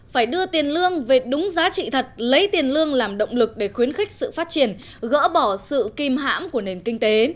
phải đưa tiền lương về đúng giá trị thật lấy tiền lương làm động lực để khuyến khích sự phát triển gỡ bỏ sự kim hãm của nền kinh tế